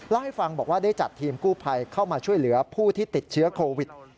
เล่าให้ฟังบอกว่าได้จัดทีมกู้ภัยเข้ามาช่วยเหลือผู้ที่ติดเชื้อโควิด